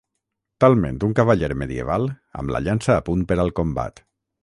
Talment un cavaller medieval amb la llança a punt per al combat.